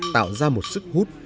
tạo ra một sức hút